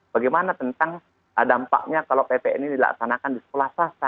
bagaimana tentang dampaknya kalau ppn ini dilaksanakan di sekolah swasta